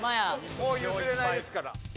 もう譲れないですから。